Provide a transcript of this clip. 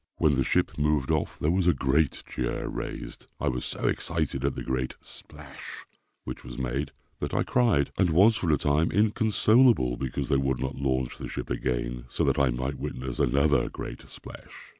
When the ship moved off there was a great cheer raised. I was so excited at the great "splash" which was made, that I cried, and was for a time inconsolable, because they would not launch the ship again, so that I might witness another great "splash."